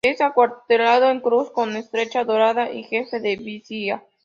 Es acuartelado en cruz, con estrecha dorada y Jefe en Divisa.